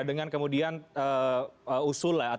dengan kemudian usulat